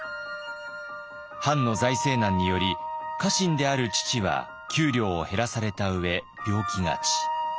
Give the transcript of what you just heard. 藩の財政難により家臣である父は給料を減らされたうえ病気がち。